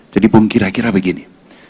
jadi saya kira kira begini